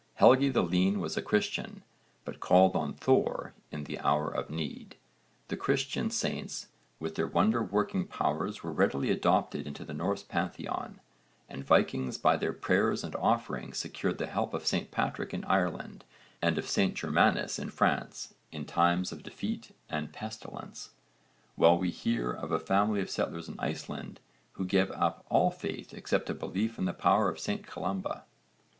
Helgi the Lean was a Christian, but called on Thor in the hour of need. The Christian saints with their wonder working powers were readily adopted into the Norse Pantheon, and Vikings by their prayers and offerings secured the help of St Patrick in Ireland and of St Germanus in France in times of defeat and pestilence, while we hear of a family of settlers in Iceland who gave up all faith except a belief in the power of St Columba.